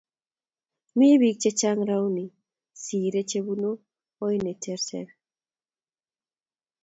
mii biik chechang rauni siree chebunuu ooi neterter